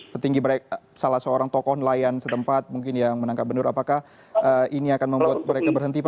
petinggi mereka salah seorang tokoh nelayan setempat mungkin yang menangkap benur apakah ini akan membuat mereka berhenti pak